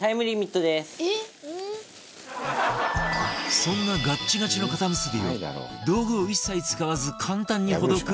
そんなガッチガチの固結びを道具を一切使わず簡単にほどく福ワザとは？